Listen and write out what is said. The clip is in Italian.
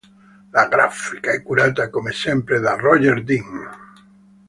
La grafica è curata come sempre da Roger Dean.